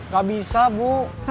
gak bisa bu